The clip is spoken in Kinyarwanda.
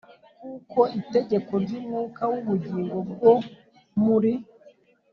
Kuko itegeko ry umwuka w ubugingo bwo muri